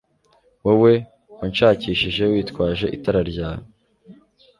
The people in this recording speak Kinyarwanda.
Wowe wanshakishije witwaje itara ryawe